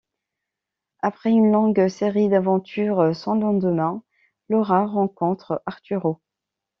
Après une longue série d'aventures sans lendemain, Laura rencontre Arturo.